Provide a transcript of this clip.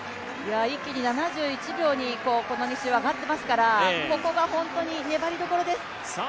一気に７１秒にこの２周は上がっていますからここが本当に粘りどころです。